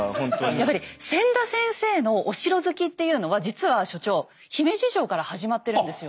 やっぱり千田先生のお城好きっていうのは実は所長姫路城から始まってるんですよ。